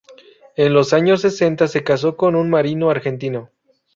En los años sesenta se casó con un marino argentino.